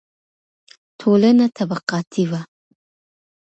ټولنه طبقاتي وه.